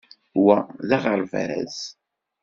Wa d aɣerbaz